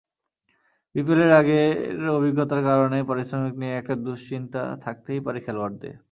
বিপিএলের আগের অভিজ্ঞতার কারণে পারিশ্রমিক নিয়ে একটা দুশ্চিন্তা থাকতেই পারে খেলোয়াড়দের।